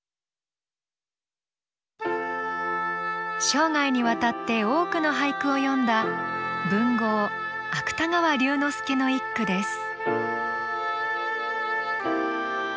生涯にわたって多くの俳句を詠んだ文豪芥川龍之介の一句です。